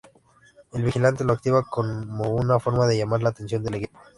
El Vigilante lo activa como una forma de llamar la atención del equipo.